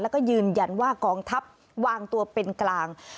แล้วก็ยืนยันว่ากองทัพวางตัวเป็นกลาง